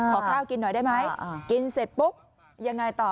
ขอข้าวกินหน่อยได้ไหมกินเสร็จปุ๊บยังไงต่อ